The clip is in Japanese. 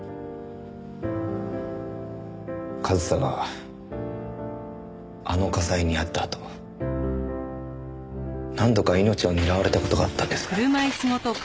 和沙があの火災に遭ったあと何度か命を狙われた事があったんです。